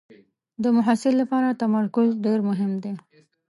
د محصل لپاره تمرکز ډېر مهم دی.